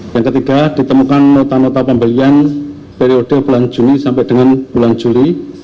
yang ketiga ditemukan nota nota pembelian periode bulan juni sampai dengan bulan juli